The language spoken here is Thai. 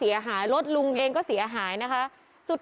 อย่างนี้ถูก